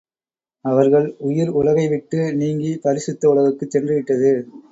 அவர்கள் உயிர் உலகை விட்டு நீங்கிப் பரிசுத்த உலகுக்குச் சென்று விட்டது.